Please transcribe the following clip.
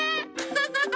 ハハハ！